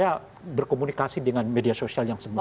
ya maksud saya berkomunikasi dengan media sosial yang semua